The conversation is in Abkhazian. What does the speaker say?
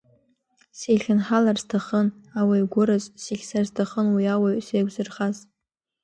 Сихьынҳалар сҭахын ауаҩ гәыраз, сихьӡар сҭахын уи ауаҩ, сеиқәзырхаз.